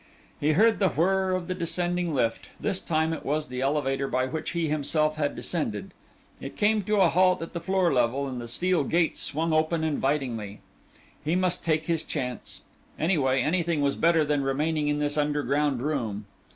He heard the whirr of the descending lift; this time it was the elevator by which he himself had descended. It came to a halt at the floor level and the steel gates swung open invitingly. He must take his chance; anyway, anything was better than remaining in this underground room.